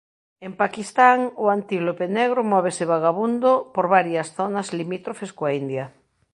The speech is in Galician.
En Paquistán o antílope negro móvese vagabundo por varias zonas limítrofes coa India.